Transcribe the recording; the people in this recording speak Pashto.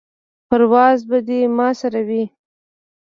پرواز به دې ما سره وي.